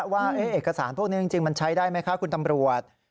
ว่าเอกสารพวกนี้จริงมันใช้ได้ไหมคะคุณตำรวจ